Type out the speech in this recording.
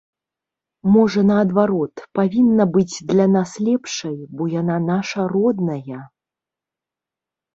Можа, наадварот, павінна быць для нас лепшай, бо яна наша родная?